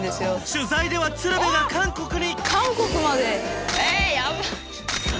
取材では鶴瓶が韓国に！